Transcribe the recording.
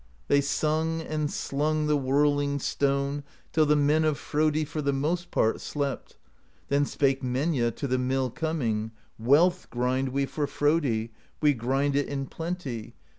They sung and slung The whirling stone Till the men of Frodi For the most part slept; Then spake Menja, To the mill coming: 'Wealth grind we for Frodi, We grind it in plenty.